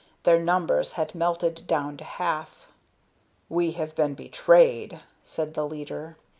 Their numbers had melted down to half. "We have been betrayed," said the leader.